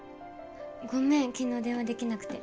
ごめん昨日電話できなくて。